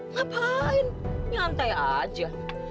ngapain nyantai aja